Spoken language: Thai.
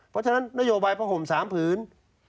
เพราะฉะนั้นนโยบายผ้าห่ม๓ผืน